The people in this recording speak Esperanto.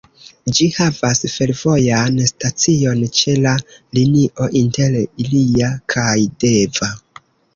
Ĝi havas fervojan stacion ĉe la linio inter Ilia kaj Deva.